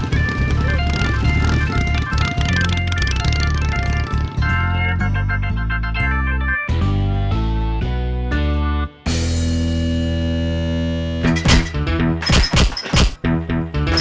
pinsir sembilan nya juga nyuon